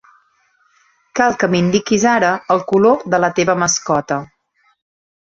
Cal que m'indiquis ara el color de la teva mascota.